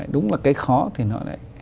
đúng là cái khó thì nó lại